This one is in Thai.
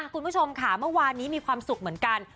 คุณผู้ชมค่ะเมื่อวานนี้มีความสุขเหมือนกัน